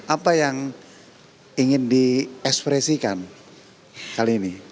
apa yang ingin diekspresikan kali ini